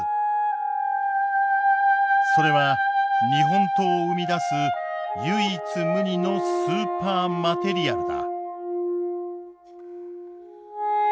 それは日本刀を生み出す唯一無二のスーパーマテリアルだ。